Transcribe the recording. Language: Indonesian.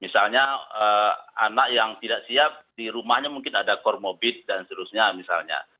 karena anak yang tidak siap di rumahnya mungkin ada kormobit dan seterusnya misalnya